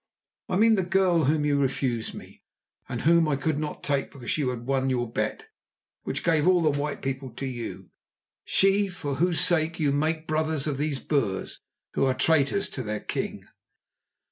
I mean the girl whom you refused to me, and whom I could not take because you had won your bet, which gave all the white people to you; she for whose sake you make brothers of these Boers, who are traitors to their king?"